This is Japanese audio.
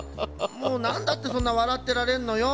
もうなんだってそんなわらってられるのよ。